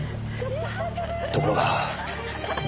ところが。